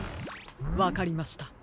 わかりました。